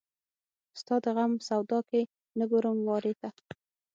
ستا د غم سودا کې نه ګورم وارې ته